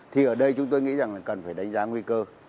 thì ở đây chúng tôi nghĩ rằng là cần phải đánh giá nguy cơ